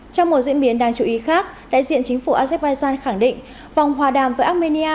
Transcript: trong một diễn biến đáng chú ý khác đại diện chính phủ azerbaijan khẳng định vòng hòa đàm với armenia